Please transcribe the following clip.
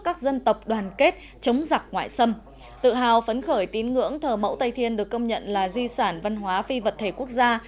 các dân tộc đoàn kết chống giặc ngoại xâm tự hào phấn khởi tín ngưỡng thờ mẫu tây thiên được công nhận là di sản văn hóa phi vật thể quốc gia